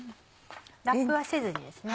ラップはせずにですね